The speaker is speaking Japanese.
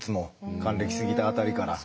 還暦過ぎた辺りから。